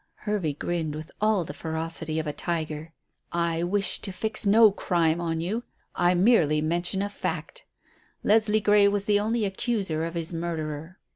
Hervey grinned with all the ferocity of a tiger. "I wish to fix no crime on you. I merely mention a fact. Leslie Grey was the only accuser of his murderer.